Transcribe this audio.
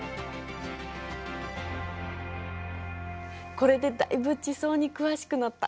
これでだいぶ地層に詳しくなった。